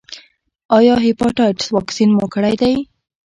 ایا د هیپاټایټس واکسین مو کړی دی؟